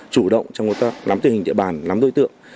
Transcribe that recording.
chủ động trong lắm tình hình địa bàn lắm đối tượng